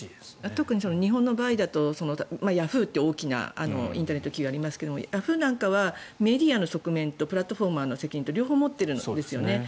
特に日本の場合だとＹａｈｏｏ！という大きなインターネット企業がありますがＹａｈｏｏ！なんかはメディアの側面とプラットフォーマーの責任と両方持っているんですよね。